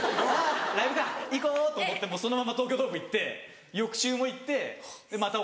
「ライブか行こう」と思ってそのまま東京ドーム行って翌週も行ってまた